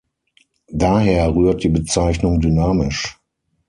Daher rührt die Bezeichnung „dynamisch“.